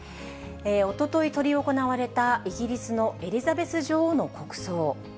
おととい執り行われたイギリスのエリザベス女王の国葬。